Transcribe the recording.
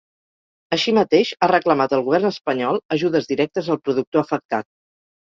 Així mateix, ha reclamat al govern espanyol ajudes directes al productor afectat.